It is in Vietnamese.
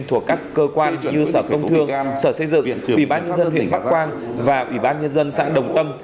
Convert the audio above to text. thuộc các cơ quan như sở công thương sở xây dựng ủy ban nhân dân huyện bắc quang và ủy ban nhân dân xã đồng tâm